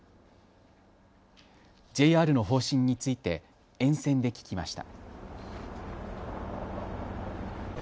ＪＲの方針について沿線で聞きました。